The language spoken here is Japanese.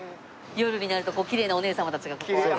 夜になるときれいなお姉様たちがここを歩いて。